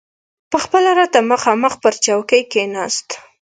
پخپله راته مخامخ پر چوکۍ کښېناست.